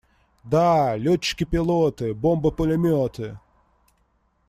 Да! Летчики-пилоты! Бомбы-пулеметы!